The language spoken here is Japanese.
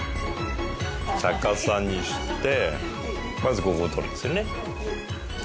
逆さにしてまずここを取りますよね。